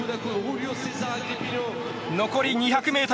残り２００ｍ。